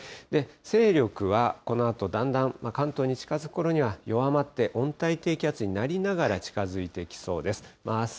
勢力はこのあとだんだん、関東に近づくころには弱まって、温帯低気圧になりながら、近づいてきそうです。